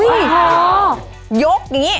ยกอย่างนี้